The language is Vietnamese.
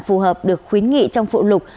phù hợp được khuyến nghị trong phụ lục